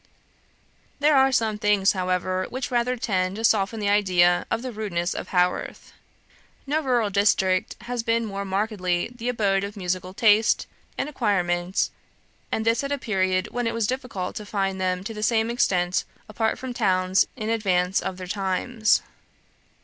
"There are some things, however, which rather tend to soften the idea of the rudeness of Haworth. No rural district has been more markedly the abode of musical taste and acquirement, and this at a period when it was difficult to find them to the same extent apart from towns in advance of their times.